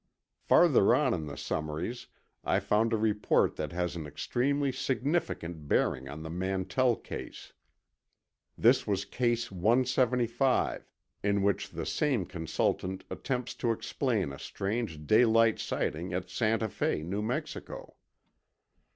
..." Farther on in the summaries, I found a report that has an extremely significant bearing on the Mantell case. This was Case 175, in which the same consultant attempts to explain a strange daylight sighting at Santa Fe, New Mexico.